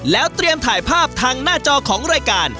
แล้วเตรียมถ่ายภาพทางหน้าจอของรายการ